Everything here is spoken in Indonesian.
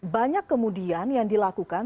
banyak kemudian yang dilakukan